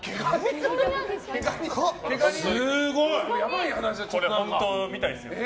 すごい。これ、本当みたいですよ。